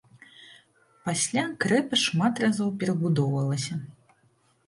Пасля крэпасць шмат разоў перабудоўвалася.